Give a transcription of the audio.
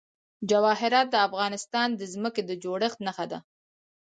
جواهرات د افغانستان د ځمکې د جوړښت نښه ده.